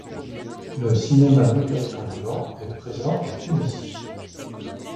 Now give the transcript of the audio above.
Le cinéma numérique ambulant est présent en Tunisie.